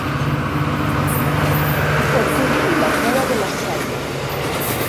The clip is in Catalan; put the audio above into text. Oculti la cua de la Cèlia.